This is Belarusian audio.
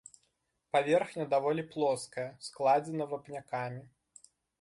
Паверхня даволі плоская, складзена вапнякамі.